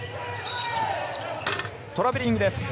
トラベリングです。